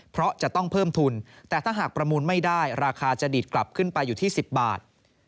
เพราะจะต้องเพิ่มทุนแต่ถ้าหากประมูลไม่ได้ราคาจะดีดกลับขึ้นไปอยู่ที่๑๐บาท